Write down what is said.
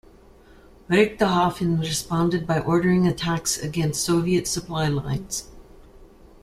Richthofen responded by ordering attacks against Soviet supply lines.